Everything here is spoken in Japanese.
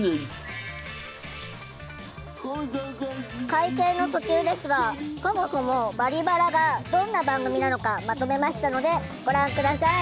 会見の途中ですがそもそも「バリバラ」がどんな番組なのかまとめましたのでご覧下さい。